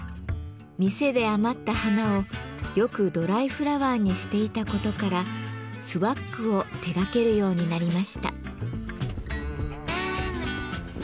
店で余った花をよくドライフラワーにしていたことからスワッグを手がけるようになりました。